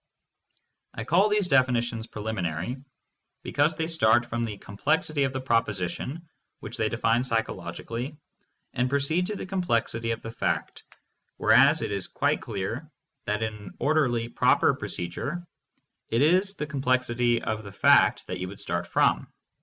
I call these definitions preliminary because they start from the complexity of the proposition, which they define psychologically, and proceed to the complexity of the fact, whereas it is quite clear that in an orderly, proper proce dure it is the complexity of the fact that you would start from.